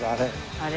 あれ。